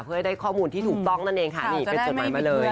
เพื่อให้ได้ข้อมูลที่ถูกต้องนั่นเองค่ะนี่เป็นจดหมายมาเลย